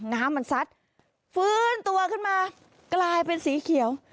น้ำมันซัดฟื้นตัวขึ้นมากลายเป็นสีเขียว